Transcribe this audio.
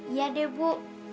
iya deh bu